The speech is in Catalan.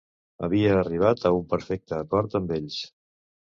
Havia arribat a un perfecte acord amb ells